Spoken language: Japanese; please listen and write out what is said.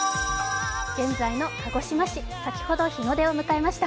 現在の鹿児島市、先ほど日の出を迎えました。